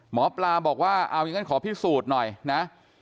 หมอปลาบอกว่าเอาอย่างนั้นขอพิสูจน์หน่อยนะ